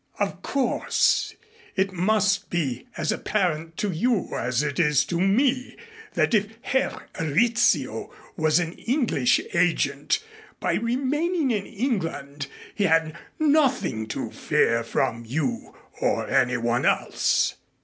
Of course it must be as apparent to you as it is to me that if Herr Rizzio was an English agent, by remaining in England he had nothing to fear from you or anyone else.